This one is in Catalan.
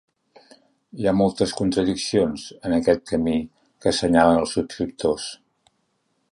Hi ha moltes contradiccions en aquest camí que assenyalen els subscriptors.